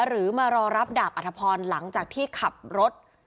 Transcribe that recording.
หรือมารอรับดาบอัธพรหลังจากที่ขับรถ